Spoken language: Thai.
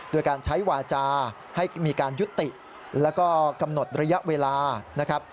โดยการใช้วาจาให้มีการยุติและกำหนดระยะเวลา